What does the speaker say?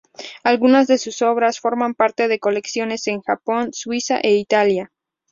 Algunas de sus obras forman parte de colecciones en Japón, Suiza e Italia.